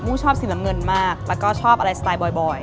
ชอบสีน้ำเงินมากแล้วก็ชอบอะไรสไตล์บ่อย